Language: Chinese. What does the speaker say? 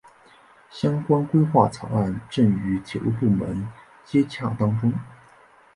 相关规划草案正与铁路部门接洽当中。